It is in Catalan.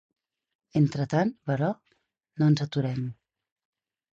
Entretant, però, no ens aturem.